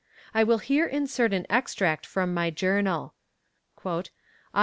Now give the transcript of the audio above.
I will here insert an extract from my journal: "Aug.